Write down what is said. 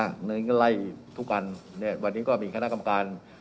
วันนี้ก็ไล่ทุกการณ์วันนี้ก็มีคณะกรรมการ